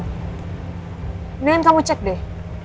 mendingan kamu cek deh